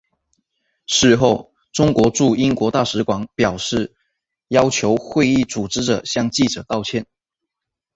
事后中国驻英国大使馆表示要求会议组织者向记者道歉。